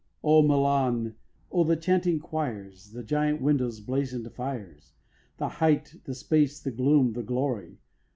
O Milan, O the chanting quires, The giant windows' blazon'd fires, The height, the space, the gloom, the glory!